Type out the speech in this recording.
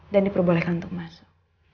dan diperbolehkan untuk masuk